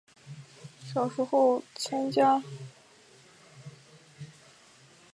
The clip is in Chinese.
小时候参加过中央人民广播电台少年广播合唱团。